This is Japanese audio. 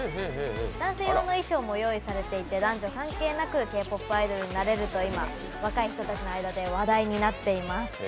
男性用の衣装も用意されていて男女関係なくＫ−ＰＯＰアイドルになれるということで今、話題になっています。